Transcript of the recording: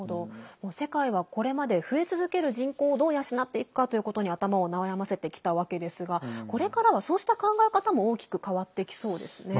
世界はこれまで増え続ける人口をどう養っていくかということに頭を悩ませてきたわけですがこれからは、そうした考え方も大きく変わってきそうですね。